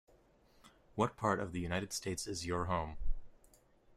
What part of the United States is your home.